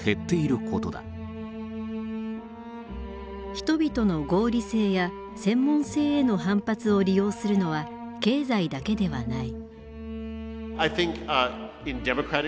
人々の合理性や専門性への反発を利用するのは経済だけではない。